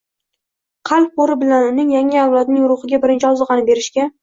qalb qo‘ri bilan uning – yangi avlodning ruhiga birinchi ozuqani berishga